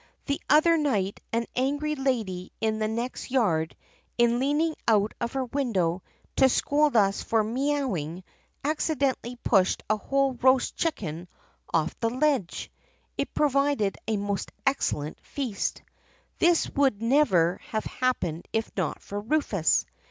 'The other night an angry lady in the next yard, in leaning out of her window to scold us foi* mee owing, accidentally pushed a whole roast chicken off the ledge. It provided a most excellent feast. This would never have happened if not for Rufus.